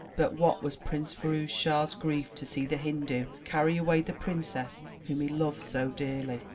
But what was Prince Firouz Schah*s grief to see the Hindu carry away the princess whom he loved so dearly!